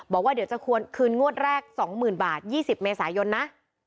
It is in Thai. บอกว่าเดี๋ยวจะคืนงวดแรก๒๐๐๐บาท๒๐เมษายนนะ